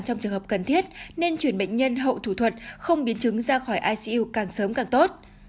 trong trường hợp cần thiết nên chuyển bệnh nhân hậu thủ thuật không biến chứng ra khỏi icu càng sớm càng tốt